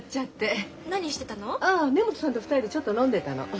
あ根本さんと２人でちょっと飲んでたの。